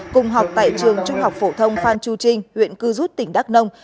cùng học tại trường trung học phổ thông phan chu trinh huyện cư rút tỉnh đắk nông